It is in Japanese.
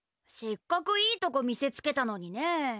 せっかくいいとこ見せつけたのにね。